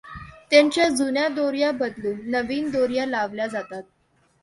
त्यांच्या जुन्या दोर्या बदलुन नवीन दोर्या लावल्या जातात्.